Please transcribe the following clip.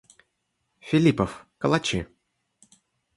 Филиппов, калачи.